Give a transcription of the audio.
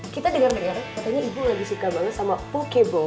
kita dengar dengar katanya ibu lagi suka banget sama pokebo